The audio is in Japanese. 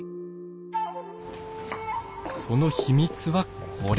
その秘密はこれ！